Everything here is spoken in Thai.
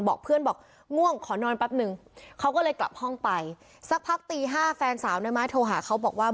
บอกเพื่อนบอกง่วงขอนอนแป๊บนึงเขาก็เลยกลับห้องไปสักพักตี๕แฟนสาวในไม้โทรหาเขาบอกว่า